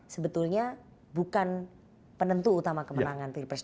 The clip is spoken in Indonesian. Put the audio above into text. sebetulnya bukan penentu utama kemenangan pilpres itu